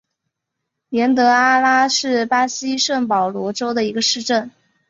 年德阿拉是巴西圣保罗州的一个市镇。